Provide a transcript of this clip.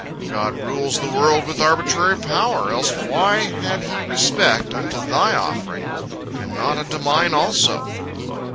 God rules the world with arbitrary power, else why had He respect unto thy offering, and not unto mine also?"